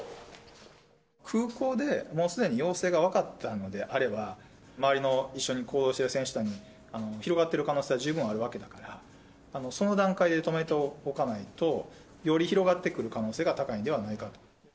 空港で、もうすでに陽性が分かっていたのであれば、周りの一緒に行動している選手団に広がってる可能性は十分あるわけだから、その段階で止めておかないと、より広がってくる可能性が高いんではないかと。